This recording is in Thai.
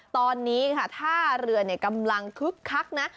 ตอนนี้ค่ะท่าเรือกำลังคึกคักนะ